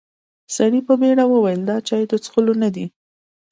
سړي په بيړه وويل: دا چای د څښلو نه دی.